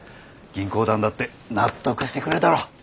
銀行団だって納得してくれるだろう。